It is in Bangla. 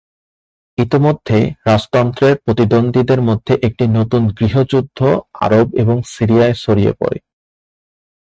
ইতোমধ্যে, রাজতন্ত্রের প্রতিদ্বন্দ্বীদের মধ্যে একটি নতুন গৃহযুদ্ধ আরব এবং সিরিয়ায় ছড়িয়ে পড়ে।